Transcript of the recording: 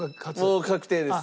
もう確定です。